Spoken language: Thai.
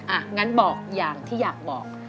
อ่ะงั้นบอกอย่างที่อยากบอก